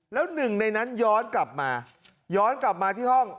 แล้วหนึ่งในนั้นย้อนกลับมาย้อนกลับมาที่ห้อง